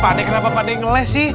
pakde kenapa pakde ngeles sih